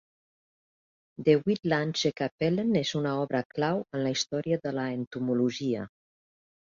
"De Uitlandsche Kapellen" es una obra clau en la història de la entomologia.